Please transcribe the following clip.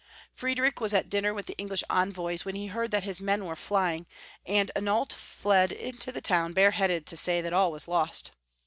Friedrich was at dinner mth the English envoys when he heard that his men were flying, and Anhalt fled into the toAvn bare headed to say that aU was lost.